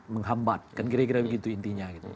menghambat kan kira kira begitu intinya gitu